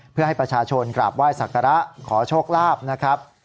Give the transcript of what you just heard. เพื่อให้ประชาชนกราบไหว้สักการะขอโชคลาภนะครับ